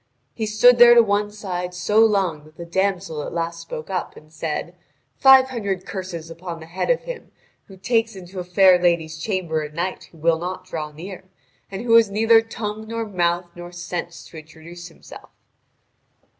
He stood there to one side so long that the damsel at last spoke up and said: "Five hundred curses upon the head of him who takes into a fair lady's chamber a knight who will not draw near, and who has neither tongue nor mouth nor sense to introduce himself."